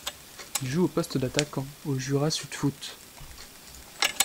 Il joue au poste d'attaquant au Jura Sud Foot.